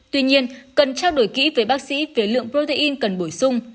tuy nhiên cần trao đổi kỹ với bác sĩ về lượng protein cần bổ sung